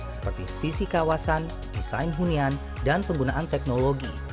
seperti sisi kawasan desain hunian dan penggunaan teknologi